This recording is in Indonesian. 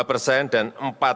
ini target yang tidak mudah